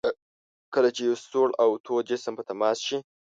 کله چې یو سوړ او تود جسم په تماس شي.